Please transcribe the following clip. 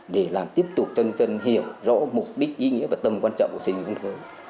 để làm tiếp tục dân dân hiểu rõ mục đích ý nghĩa và tầm quan trọng của xây dựng nông thuân